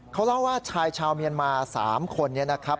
เขาเล่าว่าชายชาวเมียนมา๓คนนี้นะครับ